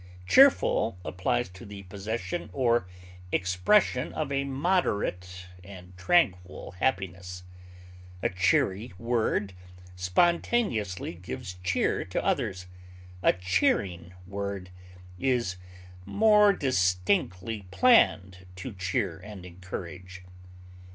Cheerful applies to the possession or expression of a moderate and tranquil happiness. A cheery word spontaneously gives cheer to others; a cheering word is more distinctly planned to cheer and encourage.